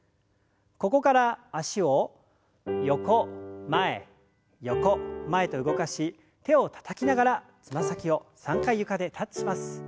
ここから脚を横前横前と動かし手をたたきながらつま先を３回床でタッチします。